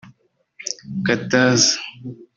Kataza